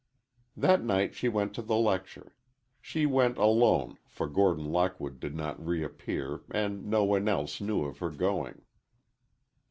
That night she went to the lecture. She went alone, for Gordon Lockwood did not reappear and no one else knew of her going.